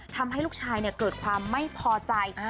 ทำให้ลูกชายเกิดความไม่พอใจ